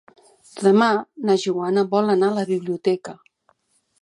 Demà na Joana vol anar a la biblioteca.